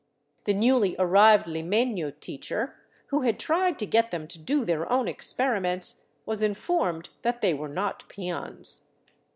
The newly arrived limeno teacher, who had tried to get them to do their own experiments, was informed that they were not peons.